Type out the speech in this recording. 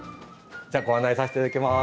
じゃあご案内させていただきます。